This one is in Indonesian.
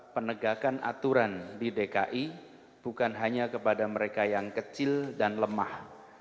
penegakan aturan di dki bukan hanya kepada mereka yang kecil dan lemah juga pada mereka yang kuat dan